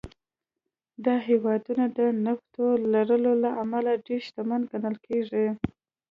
دا هېوادونه د نفتو لرلو له امله ډېر شتمن ګڼل کېږي.